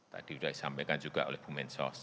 tadi sudah disampaikan juga oleh bu mensos